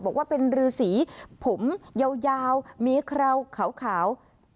บอกว่าเป็นฤาษีหาผมยาวยาวเมียเขล้าขาว